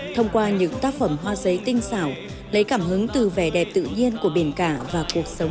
thông qua những tác phẩm hữu ích và hữu ích của đoàn công tác số chín